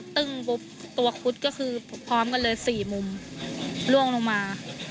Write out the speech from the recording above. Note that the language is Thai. ตัวคุดก็คือพร้อมกันเลยสี่มุมล่วงลงมา